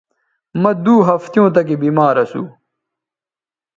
مہ دو ہفتیوں تکے بیمار اسو